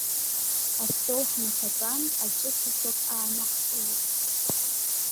Астол ҳнахатәан, аҵәыцақәак аанаҳкылеит.